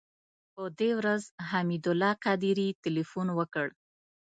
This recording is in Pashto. په دې ورځ حمید الله قادري تیلفون وکړ.